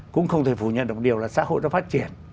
cũng không thể phủ nhận được một điều là xã hội nó phát triển